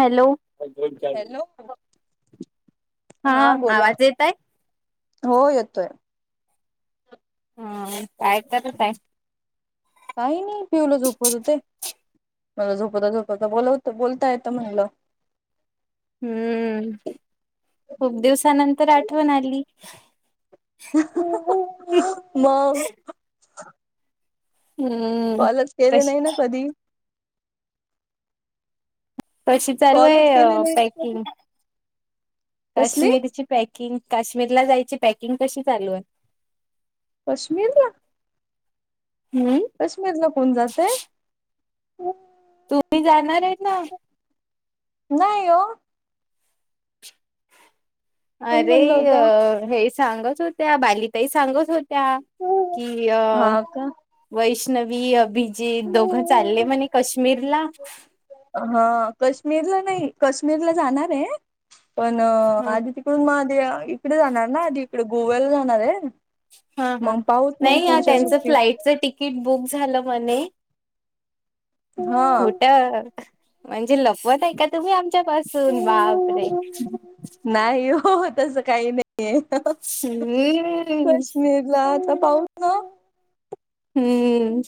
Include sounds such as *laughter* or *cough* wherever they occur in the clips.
Hello hello हा आवाज येत आहे हो येतोय. ह काय करू करत काही नाही पियुला झोपवत होते. मला झोपवता झोपवता बोलवता बोलता येतं म्हणलं. हम्म, खूप दिवसानंतर आठवण आली. *unintelligible* मग हम्म्म कॉलच केले नाही ना कधी. कशी चालू आहे कॉलच केले नाही ना कधी पॅकिंग कसली काश्मीरची. पॅकिंग काश्मीरला जायची पॅकिंग कशी चालू आह कश्मीरला. हम्म काश्मीर ला कोण जाते, अ तुम्ही जाणारय ना नाही हो. कोण अरे, म्हणलं होतं हे सांगत होत्या बालिताई सांगत होत्या. की या हा का वैष्णवी अभिजीत दोघं चालले म्हणे काश्मीरला हा कश्मीरला नाही कश्मीरला जाणार आहे पण, हा आधी पण मग आधी इकडे जाणार ना, आधी इकडे गोव्याला जाणार आहे ना हा हा, नाही त्यांचं सुट्टी फ्लाईट च तिकीट बुक झालं म्हणे हा खोटं. म्हणजे लपवत आहे का तुम्ही आमच्यापासून, बाप रे नाही हो, तस काही नाही हम्म कश्मीर ला आता पाहू ना. हम्म.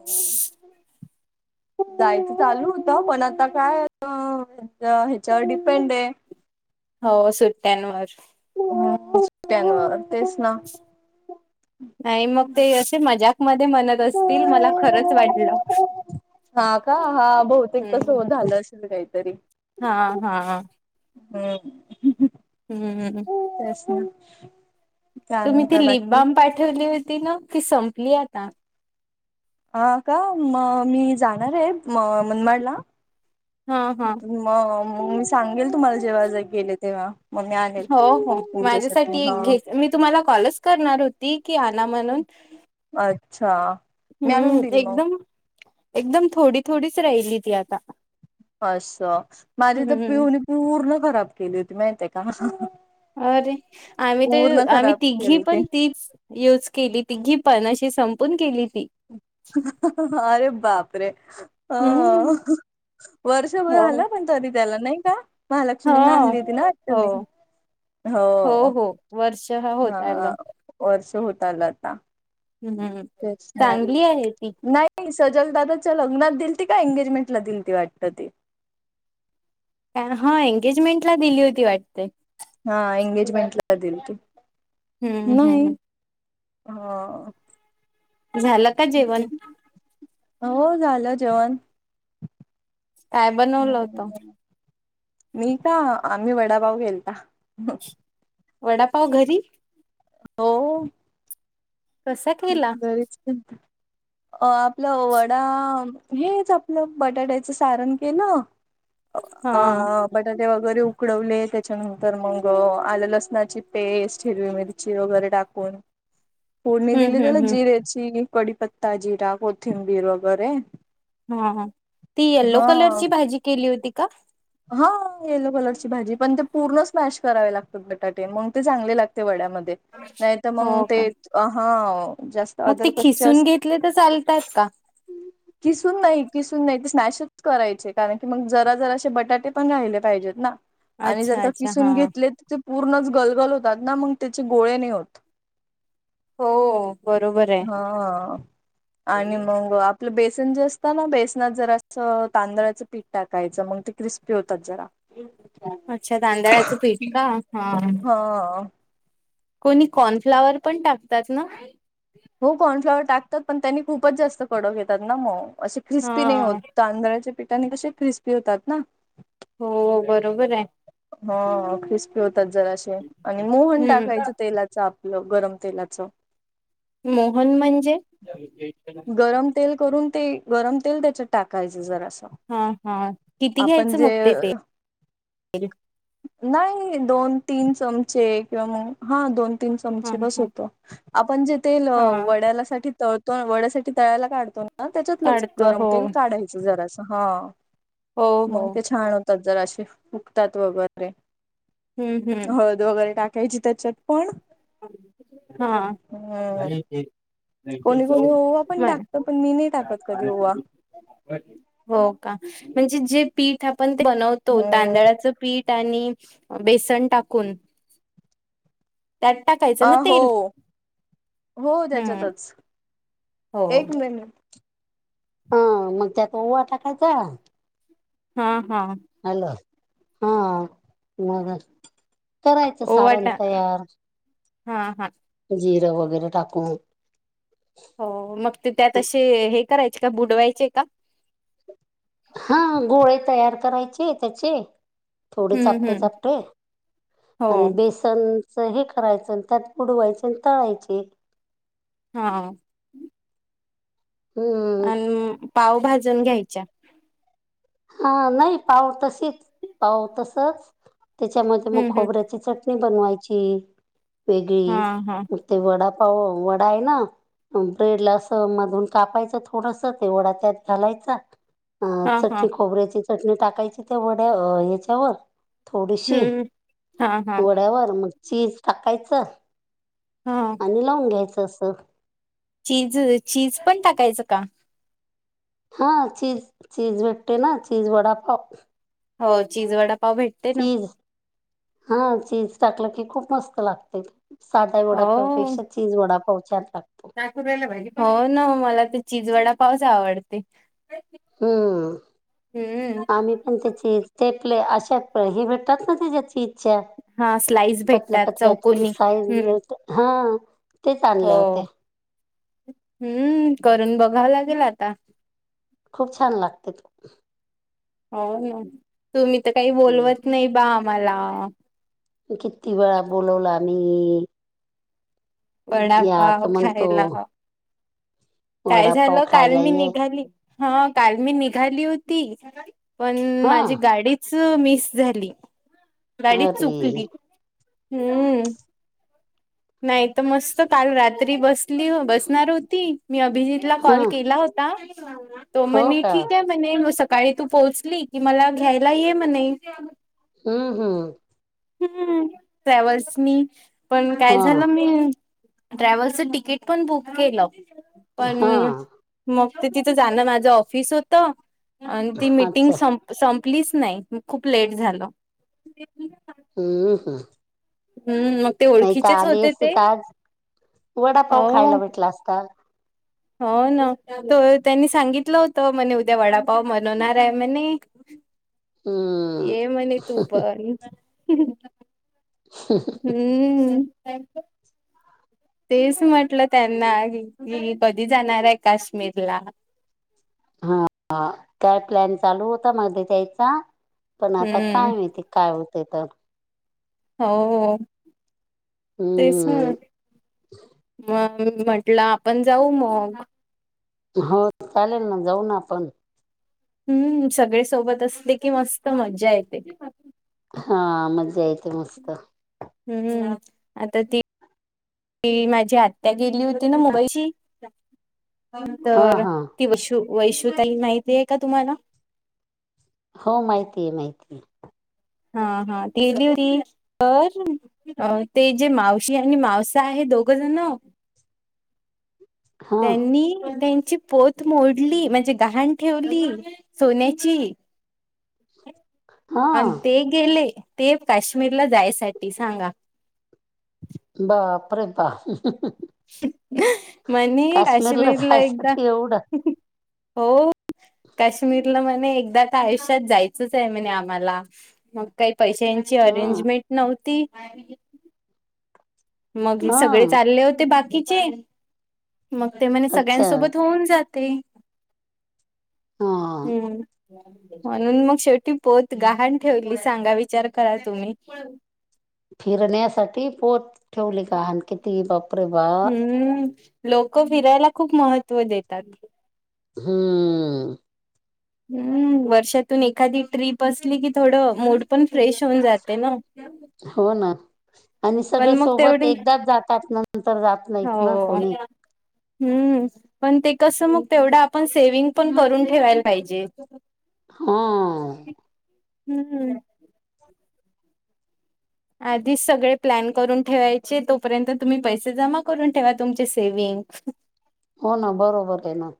*unintelligible* *inaudible* जायचं चालू होत पण आता काय अ ह्याच्यावर डिफेंड आहे. हो सुट्ट्यांवर. हम्म‌ तेच ना *unintelligible* नाही मग ते असे मज्याक मध्ये म्हनत बसतील मला तेच खरच वाटलं, मला हा हम्म. तर कायतर हा हा. हम् ह ह हम्म तेच ना. काय तुम्ही ती म्हणता लिप बाकी बाम पाठवली होती न ती संपली आता. हा का म मी जाणार आहे म मनमाडला ह हा हा, मग मग मी सांगेल तुम्हाला जेव्हा ज गेले तेव्हा. मग मी आणेल. हो हो तुमच्यासाठी माझ्यासाठी हा एक घे, मी तुम्हाला कॉलच करणार होती की आणा म्हणून अच्छा, मी आणून हम्म देईल मग. एकदम एकदम थोडी थोडीच राहिली ती आता अस माझीतर हम्म. पिऊनी पूर्ण खराब केली होती माहितीय का. अरे, आम्ही तर पूर्ण आम्ही खराब तिघी केली होती पण तीच. यूज केली तीघी पण अशी संपून केली ती. अह ह ह अरे बापरे अ हम्म. वर्षभर हो. आला पण. तरी त्याला नाही का हा महालक्ष्मी आणली होती ना वाटत हो मी हो हा वर्ष होत आलं आता. हम्म *unintelligible* नाही चांगली आहे ती नाही सजलदादाच्या लग्नात दिलती का एंगेजमेंट ला दिलती वाटतं ती ए हा एंगेजमेंट ला दिली होती वाटते. हा एंगेजमेंटला दिलती, हम्म नाही हम्म हा झालं का ते जेवण हो झालं जेवण. काय बनवलं होतं? मी का आम्ही वडापाव केलता. वडापाव घरी. हो कसा केला घरीच केलता अ आपलं वडा, हेच आपलं बटाट्याचं सारण केल ह हा बटाटे वगैरे उकडवले त्याच्यानंतर मग आलं लसणाची पेस्ट हिरवी मिरची वगैरे टाकु कोण कोण हम्म दिली त्याला हम्म हम्म जिरेची कडीपत्ता जिरा कोथिंबीर वगैरे. हा हा, ती येलो कलरची हा भाजी केली होती का? हा येलो कलरची भाजी, पण ते पूर्ण स्मॅश करावे लागतात बटाटे. मग ते चांगले लागते वड्यामध्ये. नाही तर मग हो का ते हम जास्त मग अदर ते खिसून घेतले तर चालतात का? खिसून नाही खिसून नाही ते स्नॅशच करायचे कारण की मग जरा जरा बट बटाटे पण राहिले पाहिजेत ना आणि जर अच्छा का अच्छा खिसून हा. घेतले त पूर्णच गलगल होतात ना मग त्याचे गोळे नाही होत. हो बरोबर आहे. अह आणि मग आप आपलं बेसन जे असत ना बेसनात जरा असं तांदळाचं पीठ टाकायचं क्रिस्पी होतात जर अच्छा तांदळाचं पीठ का हा. ओ कोणी कॉर्नफ्लावर पण टाकतात ना? हो कॉर्नफ्लाॉवर टाकतात पण त्यांनी खूपच जास्त कडक येतात ना मग. असे क्रिस्पी नाही होत हा तांदळाच्या पिठाने कसे क्रिस्पी होतात ना. हो बरोबर आहे. हो ख्रिस्पी होतात जरासे, आणि मोहन हम्म टाकायचं तेलात. आपलं गरम तेलाच. मोहन म्हणजे? गरम तेल करून ते गरम तेल त्याच्यात टाकायचं जरा असं. हा हा किती घ्यायचं मग ते तेल? नाही दोन तीन चमचे किंवा मग हा दोन. दोन तीन हा चमचे बस हा होत आपण जे ते हा वड्याला साठी तळ वड्यासाठी तळायला काढतो ना त्याच्यातलंच काढतो गरम हो तेल काढायचं जरास हा. हो हो मग ते छान होतात जरासे फुगतात वगैरे हम्म हम्म हो च वगैरे टाकायची त्याच्यात पण हा. हम्म कोणी जाऊ कोणी ओवा पण नाय टाकत पण मी नाही टाकत कधी ओवा *unintelligible* हो का म्हणजे जे पीठ आपण बनवतो हम्म तांदळाचं पीठ त्यांनी बेसन टाकून त्यात टाकायचं अ ना हो तेल. हो हम्म त्याच्यातच हो एक मिनिट हा मग त्यात ओवा टाकायचा. हा हा. हॅलो हा म *unintelligible* ओवा टाक हा हा. जिरं वगैरे टाकून हो मग ते त्यात असे हे करायचे का बुडवायचे का? हा गोळे तयार करायचे त्याचे थोडे हम्म चापटे हम्म चापटे हो आणि बेस चंच हे करायचं त्यात बुडवायची आणि तळायचे. हा. हम्म आणि पाव भाजून घ्यायच्या. हा नाही पाव तशीच पाव तसंच तेच्यामध्ये मगं हम्म हम्म खोबऱ्याची चटणी. णी बनवायची हा वेगळी हा मग ते वडा पाव वडा आहे ना ब्रेड ला असं मधून कापायचं थोडस ते वडा त्यात घालायचा अ हा हा चटणी खोबऱ्याची चटणी टाकायची त्या वड्या अ ह्याच्यावर थोडीशी हम्म हा हा वड्यावर म चीज टाकायचं हा आणि लावून घ्यायचं अस. चीज चीज पण टाकायचं का? हा चीज चीज भेट्टते ना चीज वडापाव. हो चीज वडापाव भेट चीज हा चीज टाकलं की खूप मस्त लागते. साध्या हो वडापावपेक्षा चीज वडापाव छान लागतो. हो ना ओ मला ते चिज वडापावच आवडते. हम्म हम्म आम्ही पण त्याची ते पले अशा हे भेटतात ना त्याच्या ची हा स्लाईस पतल्या भेटतात पतल्या चौकोनी हम्म साईझ हा *unintelligible* हो होते. हम्म करून बघावं लागेल आता. खूप छान लागते. हो ना तुम्ही तर काही हम्म. बोलवत नाही बा आम्हाला. किती वेळा बोलावला आम्ही. या तर वडापाव म्हणतो खायला. काय वडापाव झालं, कारण खायला मी ये निघाली. हां.. काल मी निघाली होती, पण हा माझी गाडी. चुमिस झाली, गाडीच अरे चुकली हम्म. नाही तर मस्त काल रात्री बसली, बसणार होती मी अभिजीत. हा कॉल केला होता, तो हो म्हणे का ठीक आहे. म्हणे मग सकाळी तू पोहोचली की, मला घ्यायला ये म्हणे. हम् हम्. हं.. ट्व्हल्सनी पण, काय हा झालं मी. ट्रॅव्हल्स तिकीट पण बुक केलं. हा पण, मग ते तिथं जाणं माझं ऑफिस होत, आणि ती मिटिंग अच्छा सं संपलीच नाही, खूप लेट झालं. हम् हम. हम्म. मग ते ओळखीचेच होते असती ते, तर आज वडापाव हो खायला भेटला असता. हो ना. तर त्यांनी सांगितलं होत म्हणे, उद्या वडापाव बनवणार आहे म्हणे. हम्म ये म्हणे, तू पण. ह्. हम्म. तेच म्हटलं त्यांना की, कधी जाणार आहे काश्मीरला. हा काय प्लॅन चालू होता, मध्ये द्यायचा पण आता हम्म काय माहिती. काय होते त. हो.. तेच ना हम्म म्हट आपला आपण जाऊ मगं. हो चालेल ना, जाऊ ना आपण. हम्म सगळे सोबत असते कि, मस्त मजा येते. हा, मजा येते मस्त. हम्म. आता ती, ती माझी आत्या गेली होती, ना मुंबईची. हा तर हा ती वैशू, वैशू ताई माहिती आहे का तुम्हाला. हो माहितीय ये माहितीय. हा हा.. तेली होती तर. अ ते जे मावशी आणि मावसा आहे दोघं जण. *inaudible* हा त्यांनी त्यांची पोत. त मोडली म्हणजे, गहाण ठेवली सोन्याची. हा आणि ते गेले ते, काश्मीरला जायसाठी सांगा. बापरे बाप. म्हणे काश्मीरला एकदा जायसाठी एवढं हो. काश्मीरला म्हणे एकदा तर, आयुष्यात जायचंच आहे म्हणे आम्हाला मगं. काही पैशांची हा अरेंजमेंट नव्हती. मग हा सगळे चालले होते, बाकीचे मग ते म्हणे, अच्छा सगळ्यांनसोबत होऊन जाते. हा हम्म. म्हणून मग शेवटी पोत गहाण ठेवली, सांगा विचार करा तुम्ही. फिरण्यासाठी पोत ठेवली का अन किती बा हम्म.. लोक फिरायला खूप महत्त्व देतात. हम्. हम्म. वर्षातून एखादी ट्रीप असली की, थोडं मूड पण फ्रेश होऊन जाते ना. हो ना आणि सगळे पण मग सोबत तेवढी एकदाच जातात नंतर जात नाहीत ना हो कोणी. हम्म, पण ते कसं मग तेवढा आपण सेविंग पण करून ठेवायला पाहिजे. *inaudible* हं. हंम्म. आधीच सगळे प्लॅन करून ठेवायचे. तोपर्यंत तुम्ही पैसे जमा करून ठेवा तुमचे सेविंग. हो, ना बरोबर आहे ते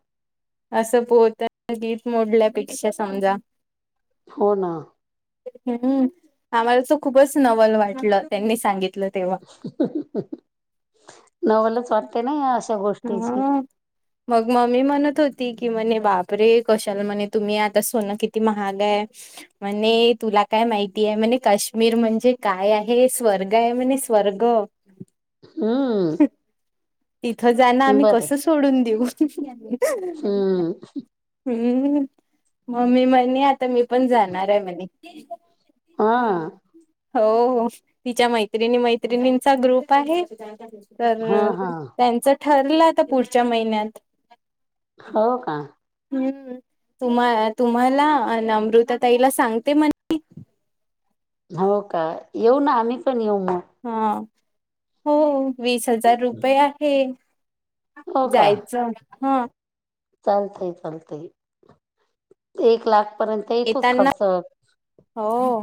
असं पोत्या *unintelligible* मोडल्यापेक्षा समजा. हो ना. हम्म. आम्हाला तर खूपच नवल वाटलं त्यांनी सांगितलं तेव्हा. नवलच वाटते ना अशा गोष्टीची. हा. मग, मम्मी म्हणत होती की म्हणे बाप रे कशाला म्हणे तुम्ही? आता सोनं किती महाग आहे? म्हणे तुला काय माहिती आहे म्हणे, काश्मीर म्हणजे काय आहे स्वर्ग आहे म्हणे स्वर्ग. हंम्म. जानं आम्ही कसं सोडून देऊ. हम्म. हम्म. मम्मी म्हणे आता मी पण जाणार आहे म्हणे. हा चालतंय. हो हो तिच्या मैत्रिणी मैत्रिणींचा ग्रुप आहे हा तर. हा त्यांचं ठरलं आता पुढच्या महिन्यात. हो का. हम्म तुम्हा तुम्हाला अमृता ताईला सांगते म्हण हो का येऊ ना आम्ही पण येऊ मग. हा हो वीस हजार रुपये आहे. हो का जायचं ह. चालतंय चालतंय एक लाख पर्यंत येतोच येताना खर्च. हो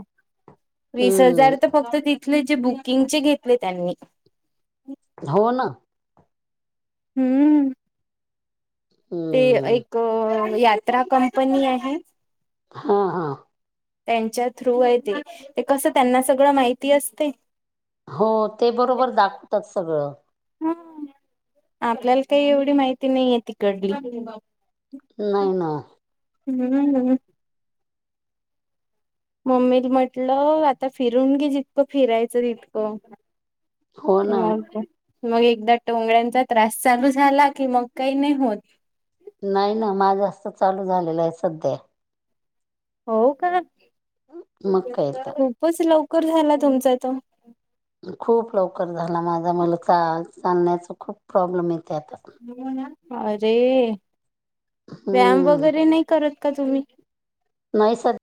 वीस हम्म हजार तर फक्त तिथले ते बुकिंगचे घेतले त्यांनी. हो ना. हम्म. ते हम्म एक यात्रा कंपनी आहे. हा हा. त्यांच्या थ्रू आहे ते, ते कसं त्यांना सगळं माहिती असते. हो ते बरोबर दाखवतात सगळं. हा आपल्याला काही एवढी माहिती नाहीये तिकडली. नाही ना. हम्म. *unintelligible* मम्मीला म्हटलं आता फिरून घे जितकं फिरायचं तितकं. हो ना बाप रे मग, एकदा टोंगळ्यांचा त्रास चालू झाला कि मग काही नाही होत. नाही ना माझं असतं चालू झालेलं आहे सध्या. हो का? मग काय तर खूपच लवकर झाला तुमचा तो. खूप लवकर झाला माझा, मला चा-चालण्याचा खूप प्रॉब्लेम येतंय आता. हो ना अरे व्यायाम हम्म वगैरे नाही करत का तुम्ही? नाही सर.